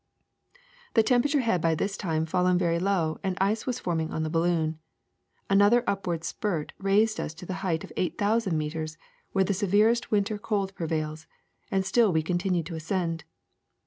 The temperature had by this time fallen very low, and ice was forming on the balloon. Another upward spurt raised us to the height of eight thousand meters, where the severest of winter cold prevails ; and still we continued to ascend.